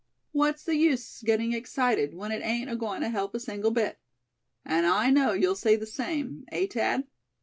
What's the use getting excited, when it ain't agoin' to help a single bit. And I know you'll say the same, eh, Thad?"